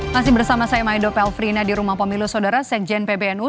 masih bersama saya maido pelfrina di rumah pemilu saudara sekjen pbnu